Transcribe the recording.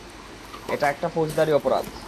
এটা একটা ফৌজদারি অপরাধ।